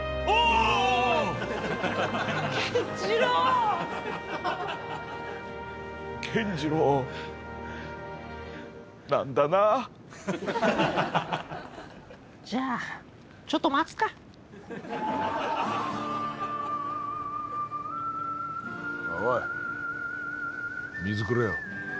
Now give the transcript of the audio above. おい水くれよ。